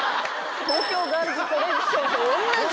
東京ガールズコレクションと同じ？